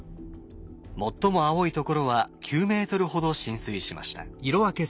最も青いところは９ｍほど浸水しました。